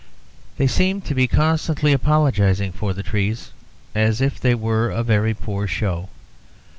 They seemed to be constantly apologizing for the trees, as if they were a very poor show.